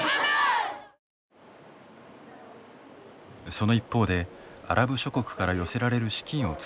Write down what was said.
その一方でアラブ諸国から寄せられる資金を使い